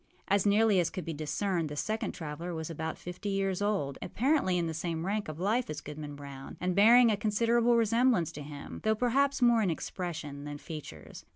As nearly as could be discerned, the second traveller was about fifty years old, apparently in the same rank of life as Goodman Brown, and bearing a considerable resemblance to him, though perhaps more in expression than features.